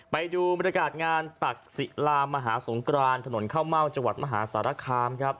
ไปดูบริการณ์งานตักศิหรามมหาสงครานถนนเข้าเม่าจังหวัดมหาศาลคาม